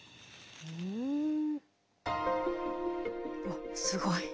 わっすごい。